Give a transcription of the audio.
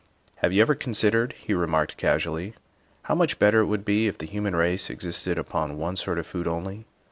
" Have you ever considered," he remarked casually, '' how much better it would be if the human race existed upon one sort of food only